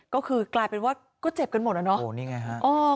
ก็คือกลายเป็นว่าก็เจ็บกันหมดอะเนาะโอ้โหนี่ไงฮะ